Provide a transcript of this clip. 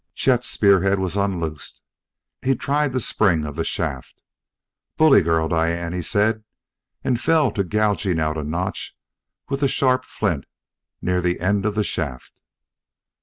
Chet's spearhead was unloosed. He tried the spring of the shaft. "Bully girl, Diane!" he said, and fell to gouging out a notch with the sharp flint near the end of the shaft.